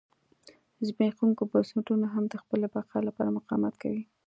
زبېښونکي بنسټونه هم د خپلې بقا لپاره مقاومت کوي.